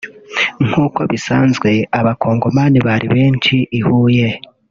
nkuko bisanzwe abacongomani bari benshi i Huye